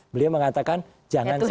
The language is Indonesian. beliau mengatakan jangan sampai